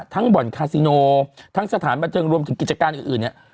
บ่อนคาซิโนทั้งสถานบันเทิงรวมถึงกิจการอื่นเนี่ย